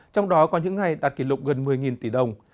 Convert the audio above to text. trong đó có những ngày đạt kỷ lục gần một mươi tỷ đồng